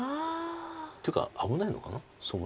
っていうか危ないのかなそもそも。